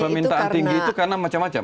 permintaan tinggi itu karena macam macam